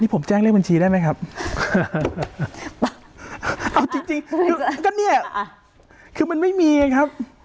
ผมแจ้งเรียกบัญชีได้ไหมครับเอาจริงมันไม่มีนะครับ